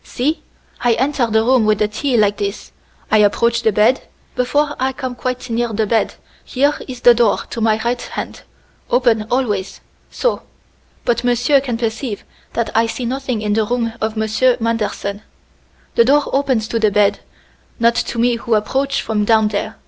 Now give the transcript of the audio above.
"See! I enter the room with the tea like this. I approach the bed. Before I come quite near the bed, here is the door to my right hand open, always so! But monsieur can perceive that I see nothing in the room of Monsieur Manderson. The door opens to the bed, not to me who approach from down there.